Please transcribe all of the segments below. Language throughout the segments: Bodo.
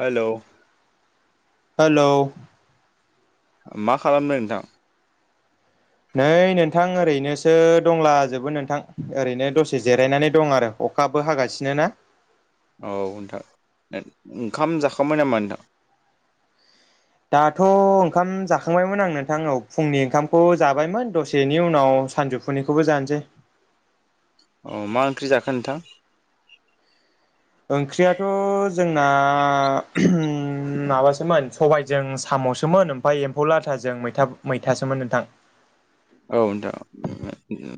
हेलौ। हेलौ मा खालामदों नोंथां। नै नोंथां ओरैनोसो दंलाजोबो नोंथां ओरैनो दसे जिरायनानै दं आरो। अखाबो हागासिनो ना। औ नोंथां ओंखाम जाखांबाय नामा नोंथां। दाथ' ओंखाम जाखांबायमोन आं नोंथां फुंनि ओंखामखौ जाबायमोन दसेनि उनाव सानजौ। फुनिखौबो जानोसै। अ मा ओंख्रि जाखो नोंथां ओंख्रियाथ' जोंना माबासोमोन सबायजों साम सोमोन ओमफ्राय एम्फौ लाथाजों मैथासोमोन नोंथां औ नोंथां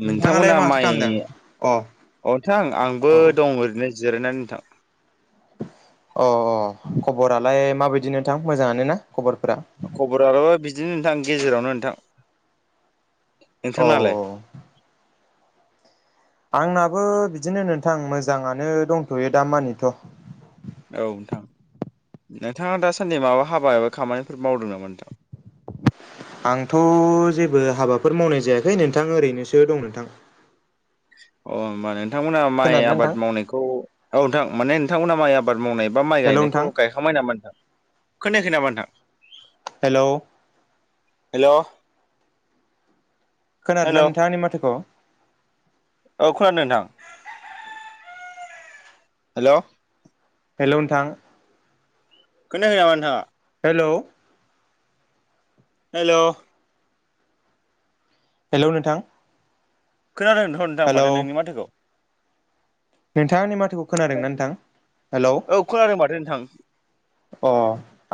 नोंथाङालाय नोंथांमोना माथो माइ। खालामदों अ अथां आंबो औ दं ओरैनो जिरायनानै नोंथां। अ अ खबरालाय माबायदि नोंथां मोजाङानो ना? खबरफोरा खबराल' बिदिनो नोंथां गेजेरावनो नोंथां। औ नोंथांनालाय। औ आंनाबो बिदिनो नोंथां मोजाङानो दंथ'यो दामानिथ'। औ नोंथां नोंथाङा दासान्दि माबा हाबा एबा खामानिफोर मावदों नामा नोंथां। [inaudible] आंथ' जेबो हाबाफोर मावनाय जायाखै नोंथां ओरैनोसो दं नोंथां। अ ओमबा माने। नोंथांमोना माइ खोनादोंना आबाद नोंथां मावनायखौ औ नोंथां माने नोंथांमोना माइ आबाद मावनाय एबा माइ हेल' गायनायखौ नोंथां गायखांबायद। मा नोथां खोनायाखै नामा नोथां। हेलौ। हेलौ। खोनादोंना नोंथां आंनि माथोखौ? औ खोनादों नोंथां। हेलौ। हेलौ नोंथां। खोनादों नामा नोंथाङा? हेलौ। हेलौ। हेलौ नोंथां। खोनादों नोथां' माथो नोंनि माथोखौ। नोंथांङा आंनि माथोखौ खोनादोंना नोंथां हेलौ। औ खोनादों [inaudible] अ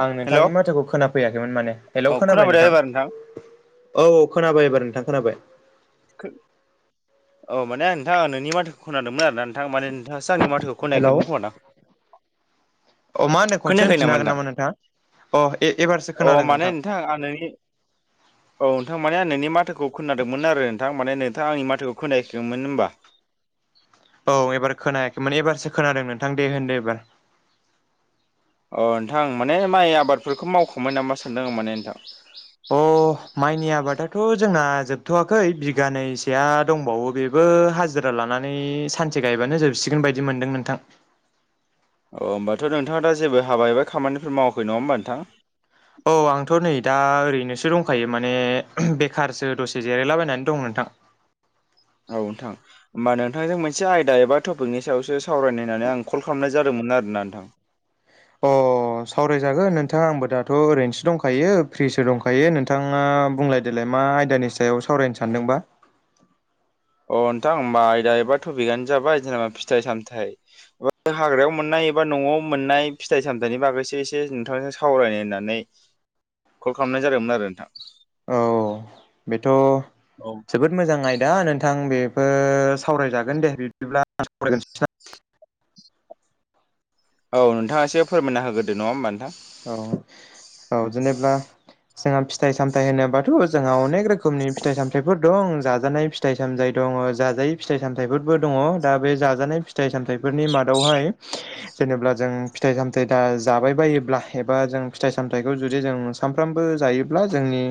आं हेल' नोंथांनि औ माथोखौ खोनाफैयाखैमोन माने हेलौ खोनाबाय नोंथां? औ औ खोनाबाय एबार नोंथां खोनाबाय। औ माने नोंथाङा नोंनि माथोखौ खोनादोंमोन आरो नोंथां माने नोंथाङासो आंनि माथ हेलौ खोनायाखैमोन खोमाना। अ मा होनदों खनसे खोनायाखै होनफिननो नामा हागोन नोंथां नोंथाङा अ ए एबारसो अ खोनादों माने नोंथां आं नोंनि। औ। नोंथां माने आं नोंनि माथोखौ खोनादोंमोन आरो नोंथां माने नोंथांङा आंनि माथोखौ खोनायाखैमोन ओमबा? [inaudible] औ एबार खोनायाखैमोन एबारसो खोनादों नोंथां दे होनदो एबार। अ नोंथां माने माइ आबादफोरखौ मावखौ नामा सानदों माने नोंथां। अह माइनि आबादाथ थ' जोंना जोबथ'वाखै बिघानैसोआ दंबावो बेबो हाजिरा लानानै सानस गायबानो जोबसिगोन बायदि मोन्दों नोंथां। [inaudible] अ होमबाथ' नोंथाङा दा जेबो हाबा एबा खामानिफोर मावाखै नङा होमबा नोंथां? औ आंथ' नै दा ओरैनोसो दंखायो माने बेखारसो दसे जिरायलाबायनानै दं नोंथां। [inaudible] औ नोंथां होमबा नोंथांजों मोनसे आयदा एबा टपिकनि सायावसो सावरायनायनानै आं कल खालामनाय जादोंमोन आरोना नोंथां। अ सावरायजागोन नोंथाङा आंबो दाथ' ओरैनोसो दंखायो फ्रिसो दंखायो नोंथाङा। आ बुंलाय देलाय मा आयदानि सायाव सावरायनो सानदोंबा। [inaudible] अ नोंथां ओमबा आयदा एबा थपिकानो जाबाय जेनेबा फिथाइ सामथाइ एबा हाग्रायाव मोननाय। बा न'आव मोननाय फिथाइ सामथाइनि बागैसो एसे नोंथांजों सावरायनो होननानै। कल खालामनाय जादोंमोन आरो नोंथां। औ बेथ' नोंथां जोबोद मोजां आयदा नोंथां बे। ओ सावरायजागोन दे बिदिब्ला सावराय [unintelligible] औ नोंथाङा एसे फोरमायना होगोरदो नङा होमबा नोंथां? औ औ जेनेब्ला जोंहा फिथाइ सामथाइ होनोबाथ' जोंहा अनेक रोखोमनि फिथाइ सामथाइफोर दं जाजानाय फिथाइ सामथाइ दं दङ जाजायै फिथाइ सामथाइफोरबो दङ दा बे जाजानाय फिथाइ सामथाइफोरनि मादावहाय जेनेबा जों फिथाइ सामथाइ दा जाबाय बायोब्ला। एबा जों फिथाइ सामथाइखौ जुदि जों सानफ्रामबो जायोब्ला जोंनि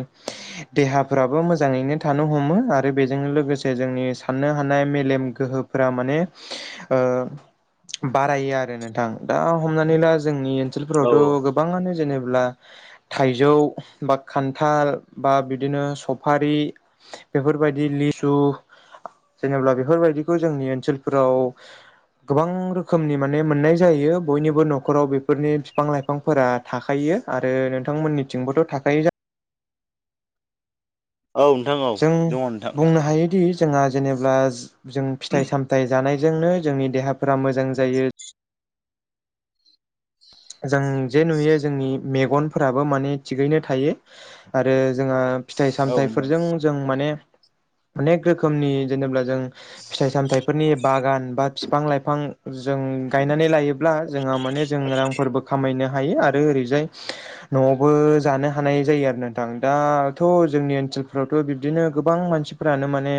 देहाफ्राबो मोजां मोजाङैनो थानो हमो आरो बेजोंनो लोगोसे जोंनि साननो हानाय मेलेम गोहोफोरा माने बारायो आरो नोंथां दा हमनानै ला जोंनि औ ओनसोलफोरावथ' गो बाङानो जेनेब्ला थाइजौ बा खान्थाल बा बिदिनो सफारि बेफोर बायदि लिसु जेनेब्ला बेफोरबायदिखौ जोंनि ओनसोलफोराव गोबां रोखोमनि माने मोननाय जायो बयनिबो न'खराव बेफोरनि बिफां-लाइफां फोरा थाखायो आरो नोंथांमोननिथिंबोथ' थाखायो औ नोंथां औ जों दङ नोंथां बुंनो हायोदि जोंहा जेनेबब्ला जों फिथाइ सामथाइ जानाय बेजोंनो जोंनि देहाफोरा मोजां जायो। जों जे नुयो जोंनि मेगनफोराबो माने थिगैनो थायो आरो जोंहा फिथाइ औ नोंथां सामथाइफोरजों जों माने अनेक रोखोमनि जेनेब्ला जों फिथाइ सामथाइफोरनि बागान बा फिफां लाइफां जों गायनानै लायो। ब्ला जोंहा माने जों रां खामायनो हायो आरो ओरैजाय न'आवबो जानो हानाय जायो आरो नोंथां दाथ' ज जोंनि ओनसोलफ्रावथ' बिबदिनो गोबां मानसिफोरानो माने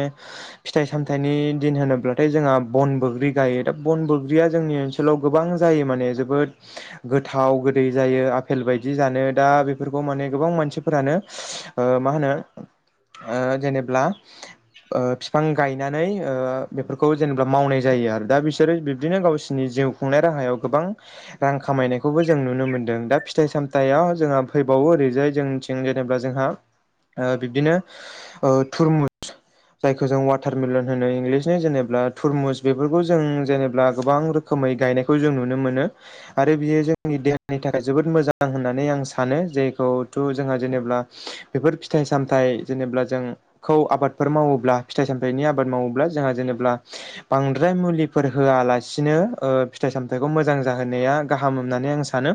फिथाइ सामथाइनि दिन होनोब्लाथाय जों जोंहा बन बोग्रि गायो दा बन बोग्रिया जोंनि ओनसोलाव गोबां जायो माने जोबोद गोथाव गोदै जायो आफेल बायदि जानो दा बेफोरखौ माने गोबां मानसिफोरानो मा होनो जेनेब्ला। फिफां गायनानै बेफोरखौ जेनेबा मावनाय जायो आरो दा बिसोरो बिब्दिनो गावसिनि जिउ खुंनाय राहायाव गोबां रां खामायनायखौबो जों नुनो मोन्दों दा फिथाइ सामथाइयाव जोंहा फैबावो ओरैजाय जोंथिं जेनेबा जोंहा बिदिनो थुरमुस जायखौ जों वाटारमलन होनो इंलिसनि जेनेबा तुरमुस बेफोरखौ जों जेनेबा गोबां रोखोम मै गायनायखौ जों नुनो मोनो। आरो बियो जोंनि देहानि थाखाय जोबोद मोजां होननानै आं सानो जेखौथ' जोंहा जेनेब्ला बेफोर फिथाइ सामथाइ जेनेब्ला जोंखौ आबादफोर मावोब्ला फिथाइ सामथाइनि आबाद माव जोंहा जेनेब्ला बांद्राय मुलिफोर होआलासिनो फिथाग सामथाइखौ मोजां होनाया गाहायम होननानै आं सानो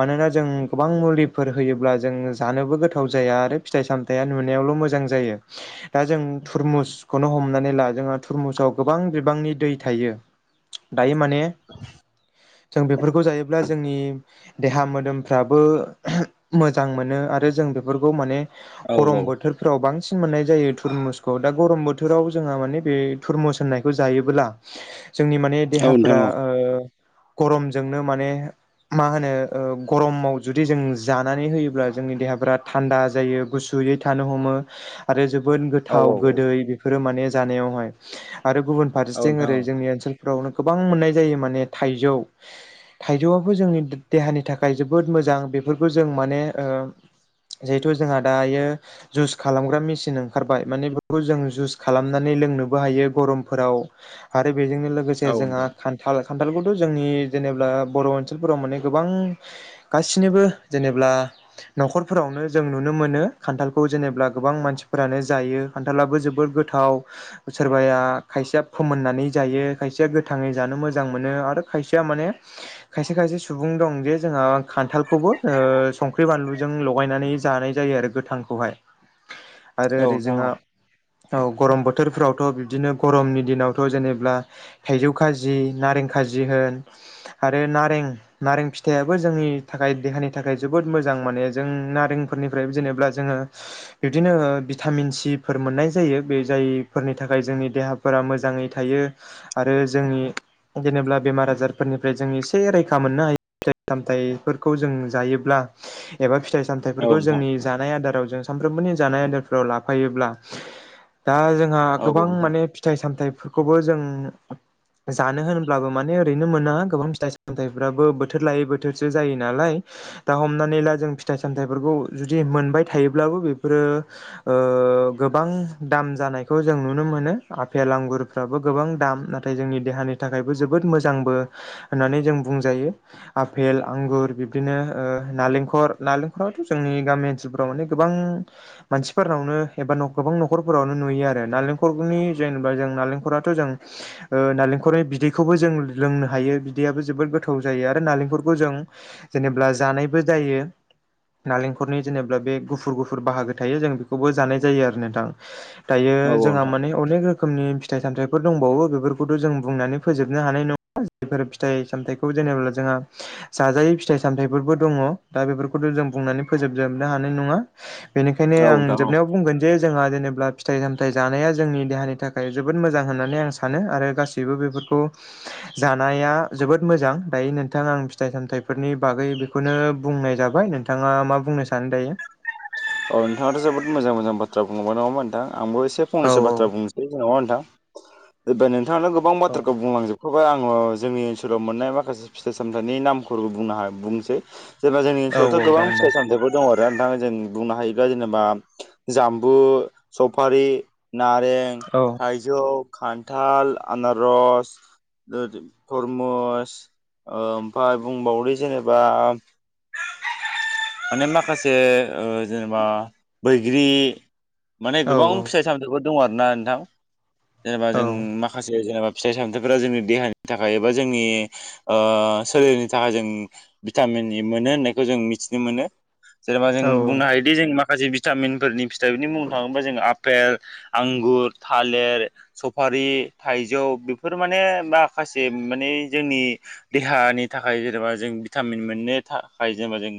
मानोना जों गोबां मुलिफोर होयोब्ला जोंनो जानो बो गोथाव जाया आरो फिथाइ सामथाइया नुनायावल' मोजां जायो। जोंहा थुरमुसआव गोबां बिबांनि दै थायो दायो माने जों बेफोरखौ जायोब्ला जोंनि देहा मोदोमफ्राबो मोजां मोनो आरो। जों बेफोरखौ माने औ नोंथां औ औ गरम बोथोरफ्राव बांसिन मोननाय जायो। थुरमुसखौ दा गरम बोथोराव जोंहा माने बे थुरमुस होननायखौ जायोबोला। जोंनि माने औ नोंथां देहाफोरा गरमजोंनो माने मा होनो गरमाव जुदि जों जानानै होयोब्ला जोंनि देहाफोरा थान्दा जायो गुसु यै थानो हमो आरो जोबोद औ नोंथां औ नोंथां औ गोथाव नोंथां औ औ नोंथां गोदै बेफोरो माने जानायावहाय आरो गुबुन औ औ फारसेथिं नोंथां ओरै जोंनि ओनसोलफोरावनो गोबां मोननाय जायो माने थाइजौ थाइजौआबो जोंनि देहानि थाखाय जोबोद मोजां बेफोरबो जों माने ओ [unintelligible] जिहेथु जोंहा दायो जुइस खालामग्रा मेसिन ओंखारबाय माने बेखौ जों जुइस खालामनानै लोंनोबो हायो गरमफोराव आरो बेजोंनो लोगोसे औ जोंहा नोंथां औ खान्थाल खान्थालखौथ' जोंनि जेनेब्ला बर' ओनसोलफोराव माने गोबां गासिनोबो जेनेब्ला न'खरफोरावनो जों नुनो मोनो खान्थालखौ जेनेबा गोबां मानसिफोरानो जायो खान्थालाबो जों जोबोर गोथाव सोरबाया खायसेया फोमोननानै जायो खायसेया गोथाङै जानो मोजां मोजां मोनो आरो खायसेया माने खायसे खायसे सुबुं दं जे जोंहा खान्थालखौबो ओ संख्रि बानलुजों लगायनानै जानाय जायो आरो गोथांखौहाय आरो ओरै जोंहा औ गरम बोथोरफोरावथ' बिब्दिनो गरमनि दिनावथ' जेनेब्ला थाइजौ खाजि नारें खाजि होन आरो नारें नारें फिथाइयाबो जोंनि थाखाय देहानि थाखाय जोबोद मोजां माने जों नारेंफोरनिफ्राय जेनेबा जोङो बिदिनो ओ भिटामिन सिफोर मोन नाय जायो बे जायफोरनि थाखाय जोंनि देहाफोरा मोजाङै थायो आरो जोंनि जेनेब्ला बेमार आजारफोरनिफ्राय जों एसे रैयखा मोननो हायो। फिथाइ सामथाइफोरखौ जों जायोब्ला एबा फिथाइ सामथाइफोरखौ जोंनि जानाय आदाराव जों सानफ्रोमबोनि जानाय आदारफोराव लाफायोब्ला दा जोंहा गोबां माने फिथाइ सामथाइफोरखौबो जों जानो होनो ब्लाबो माने ओरैनो मोना गोबां फिथाइ सामथाइबो बोथोर लायै बोथोरसो जायो नालाय दा हमना नैला जों फिथाइ-सामथाइफोरखौ जुदि मोनबाय थायोब्लाबो बिफोरो ओ गोबां दाम जानायखौ जों नुनो मोनो आपेल आंगुरफ्राबो गोबां दाम नाथाय जोंनि देहानि थाखाय बो जोबोद मोजांबो होननानै जों बुंजायो। आपेल आंगुर बिब्दिनो ओ ना नालेंखर नालेंखराथ' जोंनि गामि ओनसोलफोराव माने गोबां मानसिफोरनावनो एबा गोबां न' खरफोरावनो नुयो आरो। नालेंखरनि जेनबा जों नालेंखराथ' जों ओ नालेंखरनि बिदै खौबो जों लोंनो हायो बिदैबो जोबोद गोथाव जायो आरो नालेंखरखौ जों जेनेब्ला जानायबो जा जायो। नालेंखरनि जेनेबा बे गुफुर गुफुर बाहागो थायो जों बेखौबो जानाय जायो आरो नोंथां दायो जोंहा माने अनेक रोखोमनि फिथाइ सामथाइफोर दंबावो बेफोरखौथ' जों बुंनानै फोजोबनो हानाय नङा। जायफोर फिथाइ सामथाइखौ जेनेब्ला जोंहा जाजायै फिथाइ सामथाइफोरबो दङ'। दा बेफोरखौथ' जों बुंनानै फोजोबजोबनो हानाय नङा बेनिखायनो आं जोबनायाव बुंगोन जे जोंहा जेनेब्ला फिथाइ सामथाइ जानाया जोंनि देहानि थाखाय जोबोद मोजां होननानै आं सानो आरो गासैबो बेफोर खौ जानाया जोबोद मोजां दायो नोंथां आं फिथाइ सामथाइफोरनि बागै बेखौनो बुंनाय जाबाय य नोंथाङा मा बुंनो सानो दायो [inaudible] औ नोंथाङाथ' जोबोद मोजां मोजां बाथ्रा बुंबाय नङा होमबा नोंथां आंबो एसे औ फंनैसो बाथ्रा औ बुंनोसै जेन'बा नों थां ओ दहाय नोंथाङानो गोबां औ बाथ्राखौ बुंलांजोब थेवबो आङो जोंनि ओनसोलाव मोननाय माखासे फिथाइ सामथाइनि नामफोरखौ बुंनो हो बुंनोसै जेनबा जोंनि औ ओनसोलावथ' औ गोबां जागोन दे फिथाइ सामथाइफोर दङ' आरो नोंथाङा जों बुंनो हायोब्ला जेनेबा जामबु सफारि नारें औ थाइजौ खान्थाल आनारस [unintelligible] तरमस ओमफाय बुंबावदो जेनेबा माने माखासे ओ जेनेबा बैग्रि माने औ गोबां औ फिथाइ सामथाइफोर दङ' आरना नोंथां। जेनेबा औ जों माखासे जेनेबा फिथाइ सामथाइफोरा जोंनि देहानि थाखाय एबा जोंनि ओ सोलेरनि थाखाय जों भिटामिन मोनो जों मिथिनो मोनो जेनेबा जों औ बुंनो हायो माखासे भिटामिनफोरनि फिथाइरफोरनि मुं बुंनो थाङोब्ला जों आपेल आंगुर थालेर स सफारि थाइजौ बेफोर माने माखासे माने जोंनि देहानि थाखाय जेनेबा जों भिटामिन मोननो थाखाय जेनेबा जों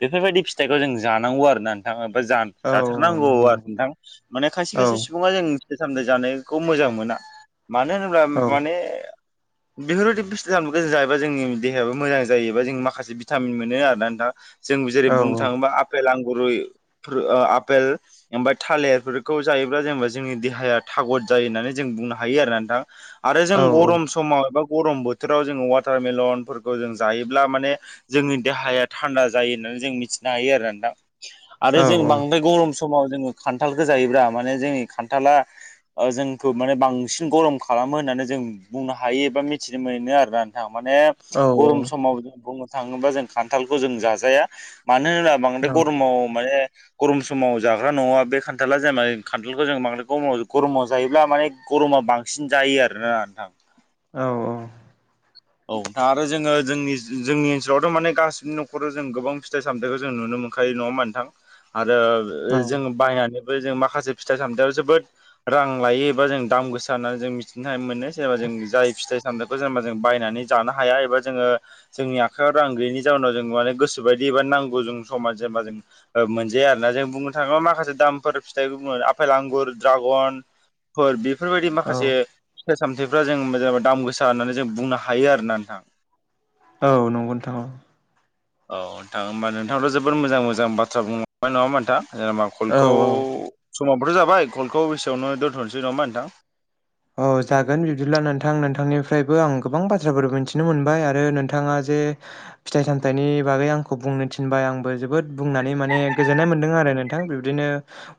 बेफोर बायदि फिथाइखौ जों जानांगौ आरोना नों नोंथाङा बा जा औ जाथारनांगौ नंगौ आरो नंगौ नोंथां माने खायसे औ खायसे सुबुङा जों फिथाइ सामथाइ जानायखौ मोजां मोना मानो होनोब्ला औ माने बेफोर बायदि फिस्थाइ सामथाइखौ जायोबा जोंनि देहायाबो मोजां जायोबा जों माखासे भिटामिन मोनो आर ना नोंथां। जों जेरै औ बुंनो थाङोब्ला आपेल आंगुर फोर ओ आपेल ओमबाय थालेरफोरखौ जायोब्ला जेनेबा जोंनि देहाया थागद जायो होननानै जों बुंनो हायो आरो नोंथां आरो औ जों गरम समाव एबा गरम बोथोराव जोङो वाटारमेलनफोरखौ जों जायोब्ला माने जोंनि देहाया थान्दा जायो होननानै। मिथिनो हायो आरो नोंथां औ आरो जों बांद्राय गरम समाव जोङो खान्थालखौ जायोब्ला माने जोंनि खान्थाला जोंखौ माने बांसिन गरम खालामो होननानै जों बुंनो हायो एबा मिथिनो मोनो आरोना नोंथां। माने औ गरम समाव जों बुंनो थाङोबा जों खान्थालखौ जों जाजाया। मानो होनबा बांद्राय गरमाव गरम समाव जाग्रा नङा बे खान्थला जाय माने खान्थालखौ जों गरामाव गरम जायोब्ला माने। गरमा बांसिन जायो आरोना नोंथां। औ औ। औ दा आरो जोङो जोंनि जोंनि ओनसोलावथ' माने गासिबो न'खराव जों गोबां फिथाइ सामथायखौ जों नुनो मोनो। मोनखायो नाडा होनबा नोंथां आरो जों बायनानै। जों माखासे फिथाइ सामथाइयाव जोबोद रां लायो एबा जों दाम गोसा होननानै जों मिथिनो मोनो जेनबा जों। जाय फिथ सामथनायखौ जेनेबा जों बाय नानै ज हाया एबा जोङो जोंनि आखायाव रां गैयैनि जाउनाव जों माने गोसोबायदि एबा नांगौ ज जेनेबा जों मोनजाया आरोना जों बुंनो थाङोब्ला माखासे दामफोर फिथाइखौ आफेल आंगुर द्रागन फोर बेफोरबायदि औ माखासे फिथाइ सामथायफ्रा जों मो दाम गोसा होननानै जों बुंनो हायो। हायो आरोना नोंथां। औ नंगौ नोंथाङा औ नोंथां होमबा नोंथांथ' जोबोद मोजां मोजां बाथ्रा बुंलांबाय नङाम नोंथां। जेनेबा औ कलखौ औ समावबोथ' जाबाय कलखौ बेसेयावनो दोन्थ'नोसै नङामा नोंथां औ जागोन बिब्दिब्ला नोंथां नोंथांनिफ्रायबो आं गोबां बाथ्राफोर मिथिनो मोनबाय आरो नोंथाङा जे फिथाइ सामथाइनि बागै आं। आंखौ बुंनो थिनबाय आंबो जोबोद बुंनानै माने गोजोननाय मोनदों आरो नोंथां बिबदिनो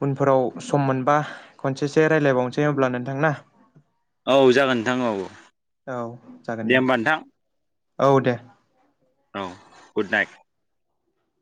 उनफोराव सम मोनबा खनसेसो रायलायबावनोसै अब्ला नोंथां ना? औ जागोन नोंथां औ औ जागोन दे होमबा नोंथां। औ दे औ गुद नाइट